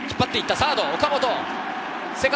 サード・岡本。